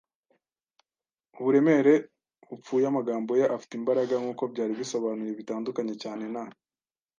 uburemere bupfuye. Amagambo ye, afite imbaraga nkuko byari bisobanuye, bitandukanye cyane na